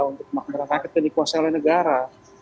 untuk memakai barang barang kita dikuasai oleh negara